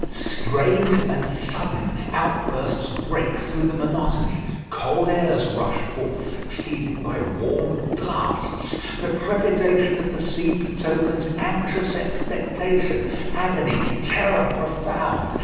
Strange and sudden outbursts break through the monotony. Cold airs rush forth, succeeded by warm blasts. The trepidation of the sea betokens anxious expectation, agony, terror profound.